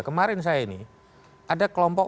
kemarin saya ini ada kelompok